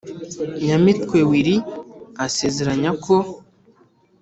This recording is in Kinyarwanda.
Nyamitwe willy asezeranya ko